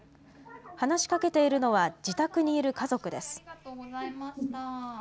話しかけているのは、自宅にいる家族です。